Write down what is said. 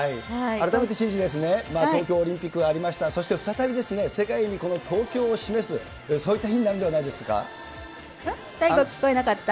改めて知事、東京オリンピックがありました、そして再び、世界にこの東京を示す、そういった日になるんではないですか？